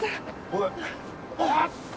おい。